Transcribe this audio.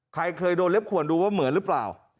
ใครเคยโดนเล็บขวนดูว่าเหมือนหรือเปล่า